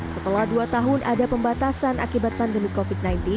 setelah dua tahun ada pembatasan akibat pandemi covid sembilan belas